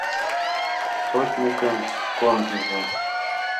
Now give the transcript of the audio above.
— Сотньыкым кондыза!